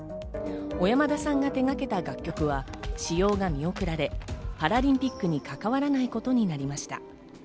小山田さんが手がけた楽曲は使用が見送られ、パラリンピックにかかわらないことになりました。